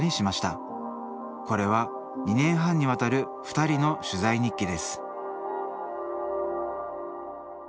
これは２年半にわたるふたりの取材日記です